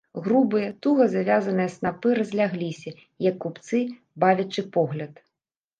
Грубыя, туга звязаныя снапы разлягліся, як купцы, бавячы погляд.